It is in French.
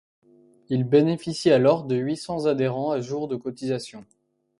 Il bénéficie alors de huit cents adhérents à jour de cotisation.